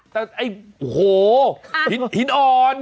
แต่ไอ้โอ้โหหินอ่อน